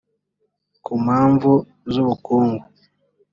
ku mpamvu z ubukungu